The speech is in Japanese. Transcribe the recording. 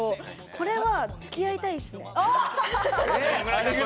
これはつきあいたいですね。